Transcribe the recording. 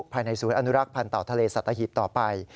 ภายในศูนย์อนุรักษ์พันธ์เต่าทะเลสัตหีบต่อไป